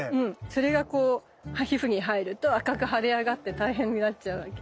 それが皮膚に入ると赤く腫れ上がって大変になっちゃうわけ。